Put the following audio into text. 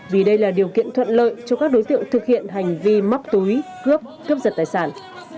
vì đây là điều kiện thuận lợi cho các đối tượng thực hiện hành vi móc túi cướp cướp giật tài sản